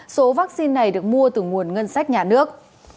số vaccine này được mua từ nguồn ngân sách nhà nước